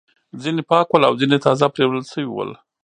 ځینې پاک ول او ځینې تازه پریولل شوي ول.